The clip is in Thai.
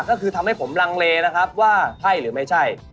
ก็คือทำให้ผมลังเลนะครับว่าใช่หรือไม่ใช่